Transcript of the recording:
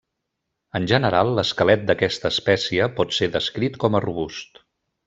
En general, l'esquelet d'aquesta espècie pot ser descrit com a robust.